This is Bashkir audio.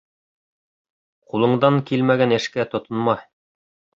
Ҡулыңдан килмәгән эшкә тотонма.